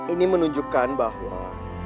ini menunjukkan bahwa